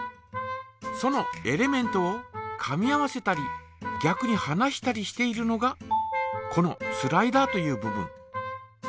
そのエレメントをかみ合わせたりぎゃくにはなしたりしているのがこのスライダーという部分。